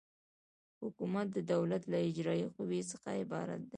حکومت د دولت له اجرایوي قوې څخه عبارت دی.